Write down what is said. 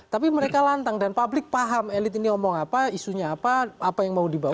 tapi mereka lantang dan publik paham elit ini ngomong apa isunya apa apa yang mau dibawa